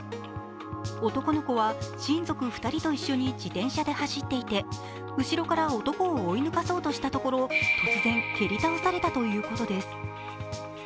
男の子は、親族２人と一緒に自転車で走っていて、後ろから男を追い抜かそうとしたところ突然、蹴り倒されたということです